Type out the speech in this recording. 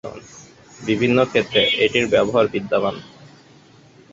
বিভিন্ন ক্ষেত্রে এটির ব্যবহার বিদ্যমান।